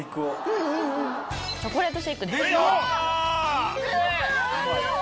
チョコレートシェイクです。